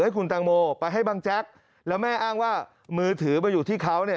ให้คุณตังโมไปให้บังแจ๊กแล้วแม่อ้างว่ามือถือมาอยู่ที่เขาเนี่ย